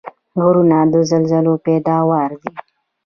غرونه د زلزلو پیداوار دي.